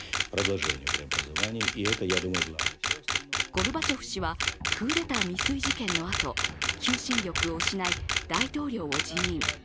ゴルバチョフ氏は、クーデター未遂事件のあと、求心力を失い、大統領を辞任。